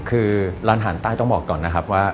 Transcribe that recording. คือร้านอาหารใต้ต้องบอกก่อนนะครับว่า